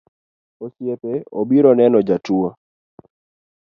Osiepe obiro neno jatuo